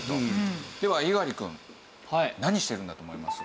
では猪狩くん何してるんだと思います？